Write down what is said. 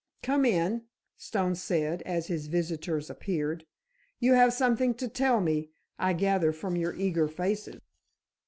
"Come in," Stone said, as his visitors appeared. "You have something to tell me, I gather from your eager faces."